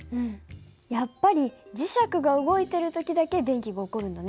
やっぱり磁石が動いてる時だけ電気が起こるんだね。